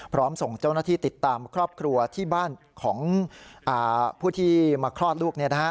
ส่งเจ้าหน้าที่ติดตามครอบครัวที่บ้านของผู้ที่มาคลอดลูก